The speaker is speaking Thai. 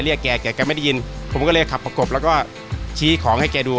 แกแกไม่ได้ยินผมก็เลยขับประกบแล้วก็ชี้ของให้แกดู